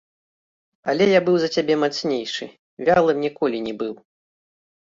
Але я быў за цябе мацнейшы, вялым ніколі не быў.